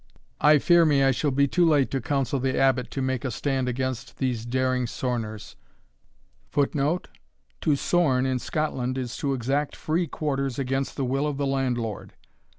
I fear me I shall be too late to counsel the Abbot to make a stand against these daring sorners [Footnote: To sorne, in Scotland, is to exact free quarters against the will of the landlord.